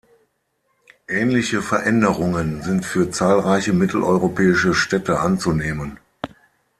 Ähnliche Veränderungen sind für zahlreiche mitteleuropäische Städte anzunehmen.